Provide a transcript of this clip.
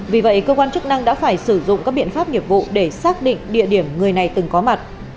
vì vậy cơ quan chức năng đã phải sử dụng các biện pháp nghiệp vụ để xác định địa điểm người này từng có mặt